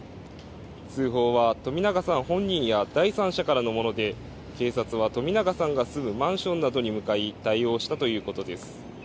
通報は冨永さん本人や第三者からのもので警察は冨永さんが住むマンションなどに向かい、対応したということです。